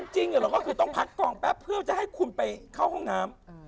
จริงเราก็คือต้องพักกองแป๊บเพื่อจะให้คุณไปเข้าห้องน้ำ